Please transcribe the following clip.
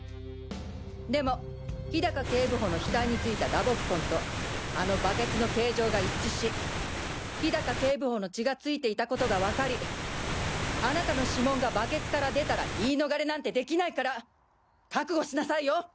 でも氷高警部補の額についた打撲痕とあのバケツの形状が一致し氷高警部補の血が付いていた事がわかりあなたの指紋がバケツから出たら言い逃れなんてできないから覚悟しなさいよ！